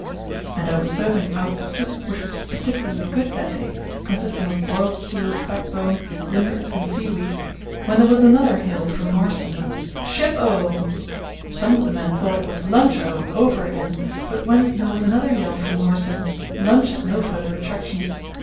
and I was serving out the soup, which was particularly good that day, consisting of boiled seal's backbone, limpets, and seaweed, when there was another hail from Marston of 'Ship O!' Some of the men thought it was 'Lunch O!' over again, but when there was another yell from Marston lunch had no further attractions.